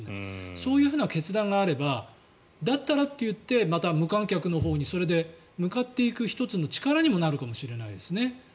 そういう決断があればだったらといってまた無観客のほうにそれで向かっていく１つの力にもなるかもしれないですね。